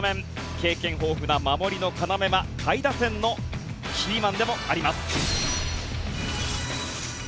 経験豊富な守りの要は下位打線のキーマンでもあります。